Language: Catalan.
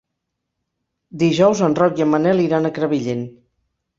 Dijous en Roc i en Manel iran a Crevillent.